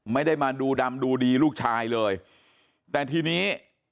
ไม่ได้มาดูดำดูดีลูกชายเลยแต่ทีนี้